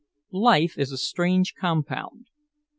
Life is a strange compound.